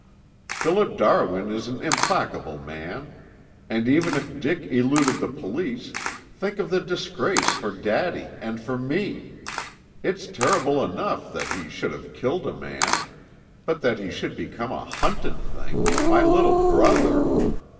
"Philip Darwin is an implacable man. And even if Dick eluded the police, think of the disgrace for Daddy and for me. It's terrible enough that he should have killed a man, but that he should become a hunted thing, my little brother